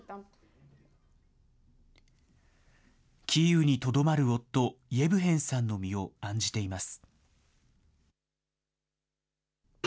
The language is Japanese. キーウにとどまる夫、イェブヘンさんの身を案じています。